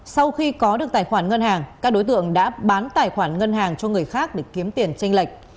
sau khi có được tài khoản ngân hàng các đối tượng đã bán tài khoản ngân hàng cho người khác để kiếm tiền tranh lệch